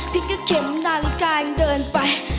พี่ก็เข็มหน้าหลังกายเดินไป